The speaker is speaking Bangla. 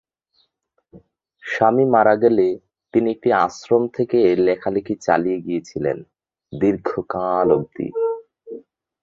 স্বামী মারা গেলে তিনি একটি আশ্রমে থেকে লেখালিখি চালিয়ে গিয়েছিলেন দীর্ঘকাল অবধি।